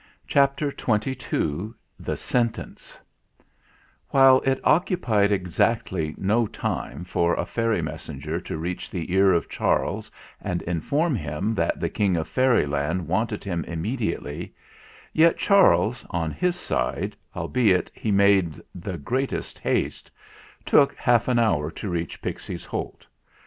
CHAPTER XXII THE SENTENCE While it occupied exactly no time for a fairy messenger to reach the ear of Charles and in form him that the King of Fairyland wanted him immediately, yet Charles, on his side, al beit he made the greatest haste, took half an hour to reach Pixies' Holt.